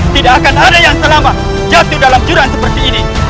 tidak akan ada yang selamat jatuh dalam jurang seperti ini